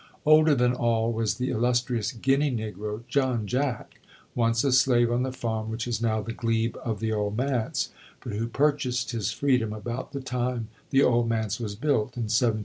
Older than all was the illustrious Guinea negro, John Jack, once a slave on the farm which is now the glebe of the Old Manse, but who purchased his freedom about the time the Old Manse was built in 1765 66.